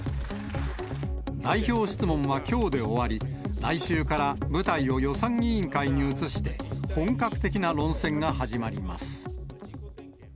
代表質問はきょうで終わり、来週から舞台を予算委員会に移して、本格的な論戦が始まります。